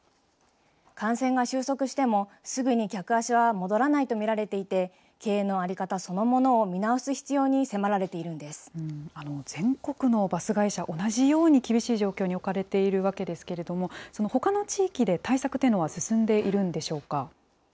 感染が収束しても、すぐに客足は戻らないと見られていて、経営の在り方そのものを見全国のバス会社、同じように厳しい状況に置かれているわけですけれども、そのほかの地域で、対策というのは進んでいるんでしょうか。